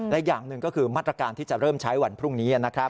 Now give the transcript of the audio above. และอย่างหนึ่งก็คือมาตรการที่จะเริ่มใช้วันพรุ่งนี้นะครับ